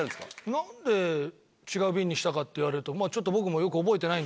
なんで違う便にしたかって言われるとちょっと僕もよく覚えてないんですけども。